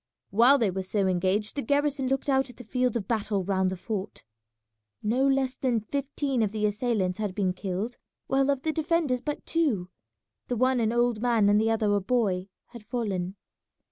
While they were so engaged the garrison looked out at the field of battle round the fort. No less than fifteen of the assailants had been killed, while of the defenders but two, the one an old man and the other a boy, had fallen.